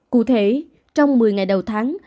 cụ thể trong một mươi ngày đầu tháng